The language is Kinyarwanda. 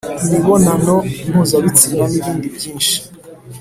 imibonano mpuzabitsina, nibindi byinshi